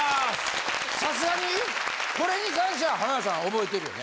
さすがにこれに関しては浜田さん覚えてるよね？